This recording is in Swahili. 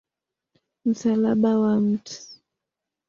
Msalaba wa Mt.